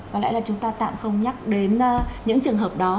có lẽ là chúng ta tạm không nhắc đến những trường hợp đó